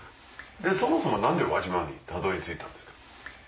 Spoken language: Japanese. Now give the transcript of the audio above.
そもそも何で輪島にたどり着いたんですか？